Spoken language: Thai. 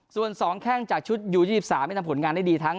ส่วน๒แข้งจากชุดยู๒๓ที่ทำผลงานได้ดีทั้ง